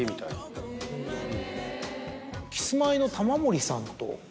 キスマイの玉森さんと。